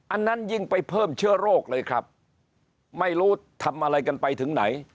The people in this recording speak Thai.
อันนั้นยิ่งไปเพิ่มเชื้อโรคเลยครับไม่รู้ทำอะไรกันไปถึงไหน